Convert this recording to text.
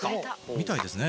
みたいですね